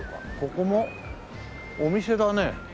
ここもお店だね。